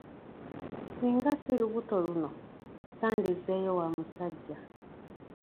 Singa si lubuto luno, sandizzeeyo wa musajja.